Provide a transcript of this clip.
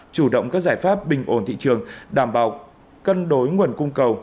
chủ động các giải pháp bình ổn thị trường đảm bảo cân đối nguồn cung cầu